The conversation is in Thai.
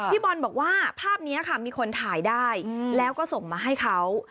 พี่บอลบอกว่าภาพนี้ค่ะมีคนถ่ายได้แล้วก็ส่งมาให้เขา